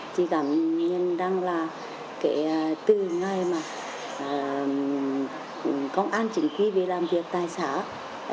chị cảm nhận rằng là cái từ ngày mà công an chỉnh quy về làm việc tại xã